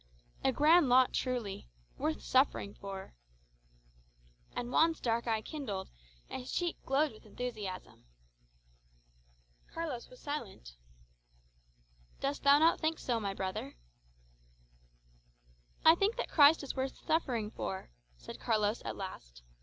A grand lot truly? Worth suffering for!" And Juan's dark eye kindled, and his cheek glowed with enthusiasm. Carlos was silent. "Dost thou not think so, my brother?" "I think that Christ is worth suffering; for," said Carlos at last.